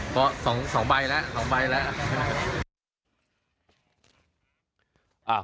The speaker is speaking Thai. เพราะ๒ใบแล้ว